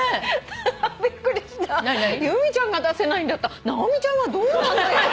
「由美ちゃんが出せないんだったら直美ちゃんはどうなんだ？」